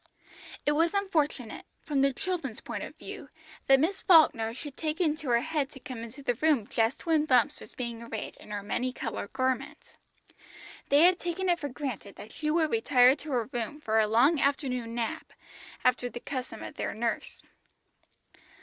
It was unfortunate, from the children's point of view, that Miss Falkner should take it into her head to come into the room just when Bumps was being arrayed in her many coloured garment. They had taken it for granted that she would retire to her room for a long afternoon nap, after the custom of their nurse.